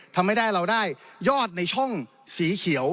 ทำให้ได้เราได้ยอดในช่องสีเขียว